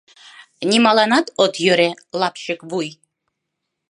Нимоланат от йӧрӧ, лапчык вуй...